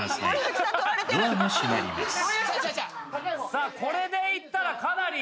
さあこれでいったらかなり。